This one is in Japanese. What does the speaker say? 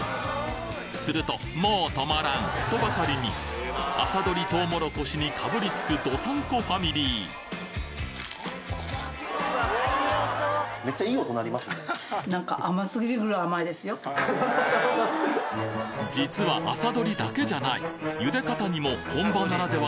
するともう止まらん！とばかりに朝採りとうもろこしにかぶりつく道産子ファミリー実は朝採りだけじゃない！